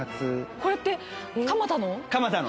これって蒲田の？